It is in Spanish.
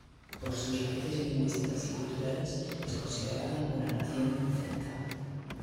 Por sus raíces lingüísticas y culturales, es considerada una nación celta.